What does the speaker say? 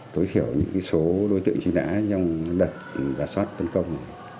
tối thiểu những số đối tượng truy nã trong đợt giả soát tấn công